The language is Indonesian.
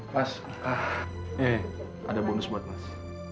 pas ah eh ada bonus buat mas